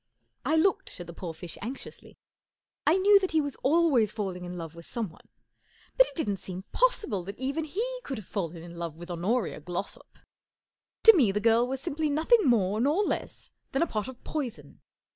I looked at the poor fish anxiously. I knew that he was always falling in love with someone, but it didn't seem possible that even he could have fallen in love with Honoria Glossop. To me the girl was simply nothing more nor less than a pot of poison.